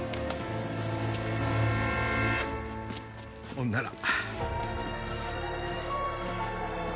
ほんなら。